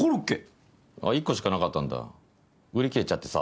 １個しかなかったんだ売り切れちゃってさ。